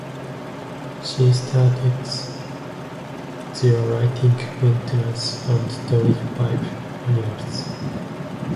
She started there writing maintenance and drill pipe manuals.